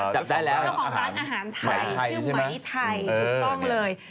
จับของร้านอาหารไทยชื่อไหมไทยถูกต้องเลยเออได้แล้ว